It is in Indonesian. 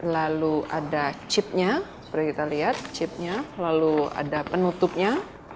lalu ada chipnya seperti kita lihat chipnya lalu ada penutupnya